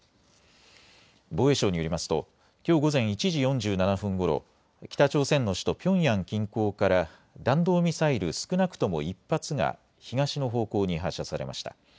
防衛省によりますときょう午前１時４７分ごろ北朝鮮の首都ピョンヤン近郊から弾道ミサイル少なくとも１発が東の方向に発射されました。